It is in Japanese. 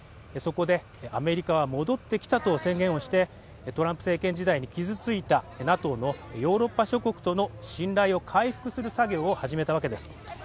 そこで、アメリカは戻ってきたと宣言をしてトランプ政権時代に傷ついた、ＮＡＴＯのヨーロッパ諸国との信頼を回復する作業を始めたわけです。